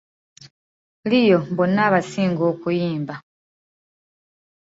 Leo bonna abasinga okuyimba!